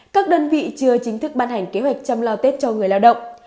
các đơn vị chưa chính thức ban hành kế hoạch chăm lo tết cho người lao động